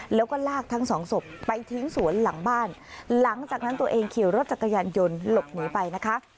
แล้วก็ลากทั้งสองศพไปทิ้งสวนหลังบ้านหลังจากนั้นตัวเองขี่รถจักรยานยนต์หลบหนีไปนะคะ